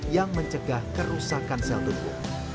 yang mencegah kerusakan sel tubuh